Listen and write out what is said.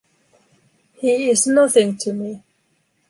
He is nothing to me.